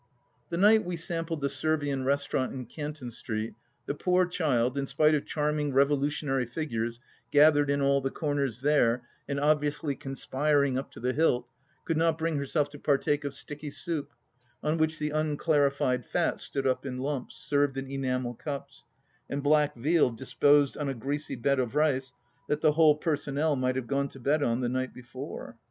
The night we sampled the Servian restaurant in Canton Street the poor child, in spite of chai^ming revolutionary figures gathered in all the comers there and obviously con spiring up to the hilt, could not bring herself to partake of sticky soup, on which the unclarified fat stood up in lumps, served in enamel cups, and black veal disposed on a greasy bed of rice that the whole personnel might have gone to bed on the night before.